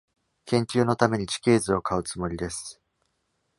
研究のために地形図を買うつもりです。